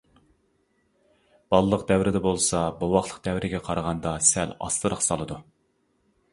بالىلىق دەۋرىدە بولسا بوۋاقلىق دەۋرىگە قارىغاندا سەل ئاستىراق سالىدۇ.